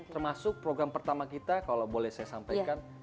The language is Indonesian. termasuk program pertama kita kalau boleh saya sampaikan